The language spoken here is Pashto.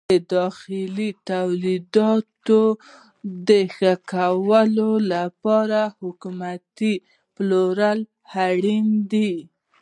د داخلي تولیداتو د ښه کولو لپاره حکومتي پلوي اړینه ده.